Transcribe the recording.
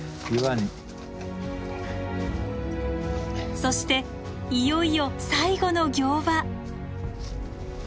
そしていよいよ最後の行場。